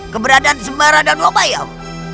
keberadaan sembarangan wabayam